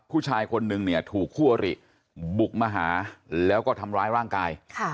ผู้ชายคนนึงเนี่ยถูกคู่อริบุกมาหาแล้วก็ทำร้ายร่างกาย